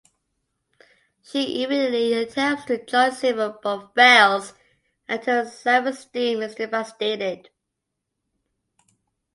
She immediately attempts to join several, but fails, and her self-esteem is devastated.